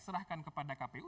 serahkan kepada kpu